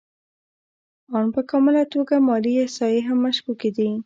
آن په کامله توګه مالي احصایې هم مشکوکې دي